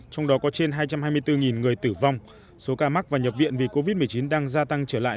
trong đó có trên hai trăm hai mươi bốn người tử vong số ca mắc và nhập viện vì covid một mươi chín đang gia tăng trở lại